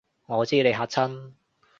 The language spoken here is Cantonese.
我知你嚇親